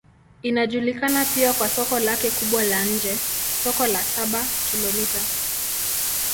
Inajulikana pia kwa soko lake kubwa la nje, Soko la Saba-Kilomita.